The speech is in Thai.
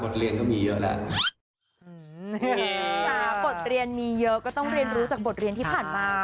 บทเรียนมีเยอะก็ต้องเรียนรู้จากบทเรียนที่ผ่านมา